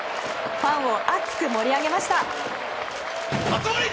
ファンを熱く盛り上げました。